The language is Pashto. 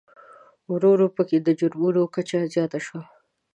ورو ورو په کې د جرمومو کچه زیاته شوه.